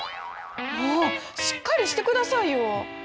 もうしっかりしてくださいよ。